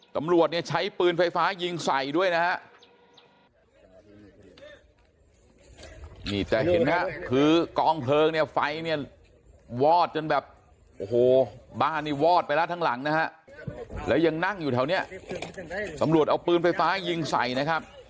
สำรวจใช้ปืนไฟฟ้ายิงใส่ด้วยนะฮะ